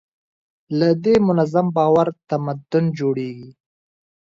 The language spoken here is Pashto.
له دې منظم باور تمدن جوړېږي.